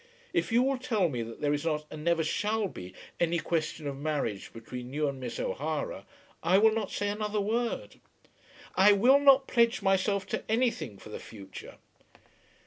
If you will tell me that there is not and never shall be any question of marriage between you and Miss O'Hara, I will not say another word." "I will not pledge myself to anything for the future."